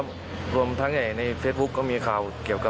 ก็เลยตามไปที่บ้านไม่พบตัวแล้วค่ะ